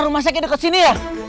rumah sakit dekat sini ya